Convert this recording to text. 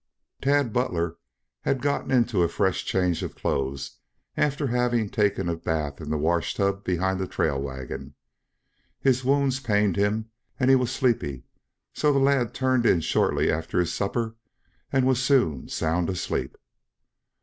Tad Butler had gotten into a fresh change of clothes after having taken a bath in a wash tub behind the trail wagon. His wounds pained him, and he was sleepy, so the lad turned in shortly after his supper, and was soon sound asleep.